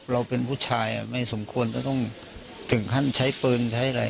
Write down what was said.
เราเป็นผู้ชายไม่สมควรจะต้องถึงขั้นใช้ปืนใช้อะไร